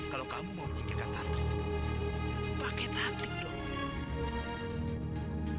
kalau kamu mau menyingkirkan tantri pakai tantri dong